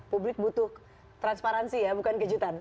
publik butuh transparansi ya bukan kejutan